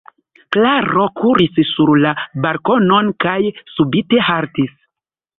Klaro kuris sur la balkonon kaj subite haltis.